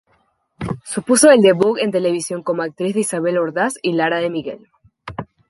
Supuso el debut en televisión como actriz de Isabel Ordaz y Lara de Miguel.